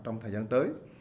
trong thời gian tới